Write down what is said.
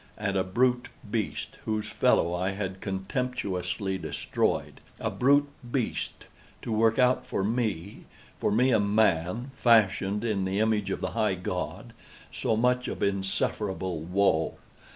And _a brute beast _—whose fellow I had contemptuously destroyed—a brute beast to work out for me—for me a man, fashioned in the image of the High God—so much of insufferable woe!